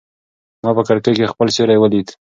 ما په کړکۍ کې خپل سیوری ولید.